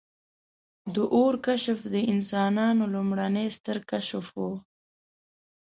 • د اور کشف د انسانانو لومړنی ستر کشف و.